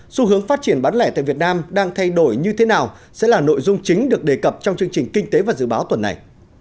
xu hướng phát triển bán lẻ tại việt nam đang thay đổi như thế nào sẽ là nội dung chính được đề cập trong chương trình kinh tế và dự báo tuần này